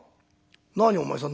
何お前さん